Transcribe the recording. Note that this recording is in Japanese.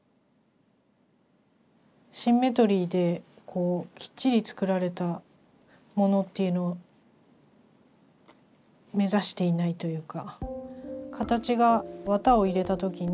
シンメトリーできっちり作られたものっていうのを目指していないというか。